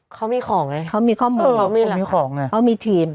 เขามีของไงเขามีทีม